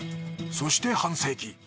そして半世紀。